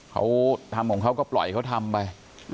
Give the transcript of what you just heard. เขาทำของเขาก็ปล่อยเขาทำไป